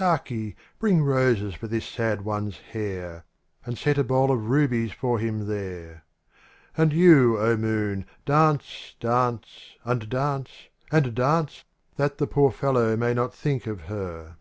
AKI, bring roses for this sad one's ^&1 hair. And set a bowl of rubies for him there ; And you, O moon, dance, dance and dance and dance — That the poor fellow may not think of her.